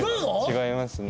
違いますね。